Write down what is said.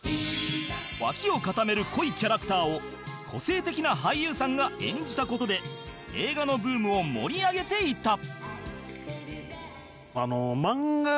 脇を固める濃いキャラクターを個性的な俳優さんが演じた事で映画のブームを盛り上げていた